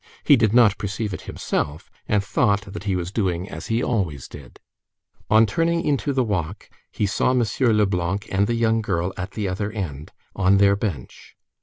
He did not perceive it himself, and thought that he was doing as he always did. On turning into the walk, he saw M. Leblanc and the young girl at the other end, "on their bench."